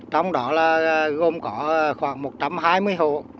trong đó là gồm có khoảng một trăm hai mươi hộ